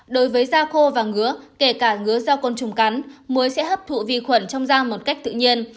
đối với da khô và ngứa kể cả ngứa da côn trùng cắn muối sẽ hấp thụ vi khuẩn trong dang một cách tự nhiên